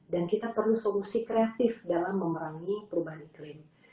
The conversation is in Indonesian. dan kita perlu solusi kreatif dalam memerangi perubahan iklim